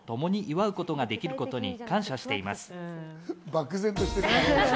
漠然としてるな。